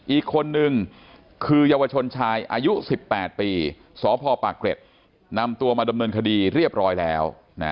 อีกคนนึงคือเยาวชนชายอายุ๑๘ปีสพปากเกร็ดนำตัวมาดำเนินคดีเรียบร้อยแล้ว